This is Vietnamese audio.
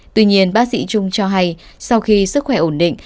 tuy nhiên bác sĩ trung cho hay sau khi sức khỏe ổn định